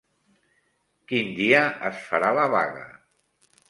Quin dia es farà la vaga?